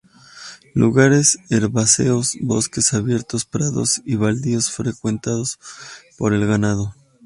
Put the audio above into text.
Lugares herbáceos, bosques abiertos, prados y baldíos frecuentados por el ganado.